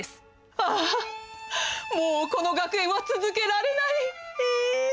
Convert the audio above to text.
あーもうこの学園は続けられない。